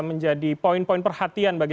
menjadi poin poin perhatian bagi